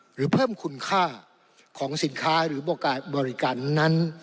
หรือเพิ่มคุณค่าของสินค้าหรือบริการนั้น